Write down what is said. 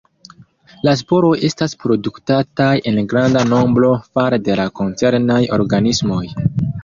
La sporoj estas produktataj en granda nombro fare de la koncernaj organismoj.